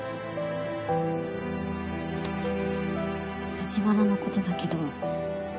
藤原のことだけど。